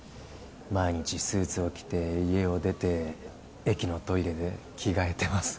毎日スーツを着て家を出て駅のトイレで着替えてます